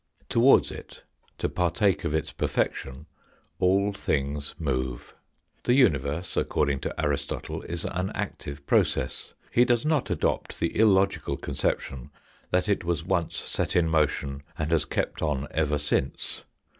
Towards it, to partake of its perfection all things move. The universe, according to Aristotle, is an active process he does not adopt the illogical conception that it was once set in motion and has kept on ever since.